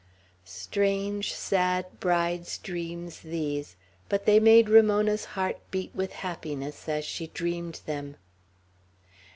Strange, sad bride's dreams these; but they made Ramona's heart beat with happiness as she dreamed them.